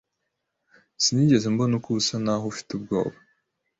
Sinigeze mbona ko usa naho ufite ubwoba.